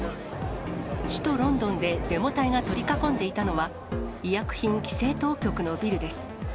首都ロンドンでデモ隊が取り囲んでいたのは、医薬品規制当局のビルです。